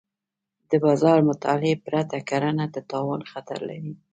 د بازار مطالعې پرته کرنه د تاوان خطر لري.